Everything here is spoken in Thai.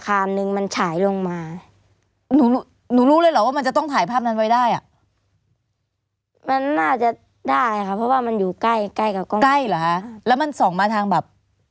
ใกล้หรือฮะแล้วมันส่องมาทางแบบ